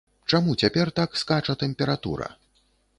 Чаму цяпер так скача тэмпература?